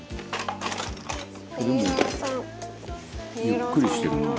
「ゆっくりしてるな」